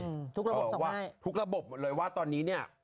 อ๋อว่ะทุกระบบออกมาให้เพราะว่าทุกระบบเลยว่าตอนนี้เนี่ย